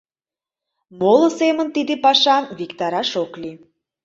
Моло семын тиде пашам виктараш ок лий.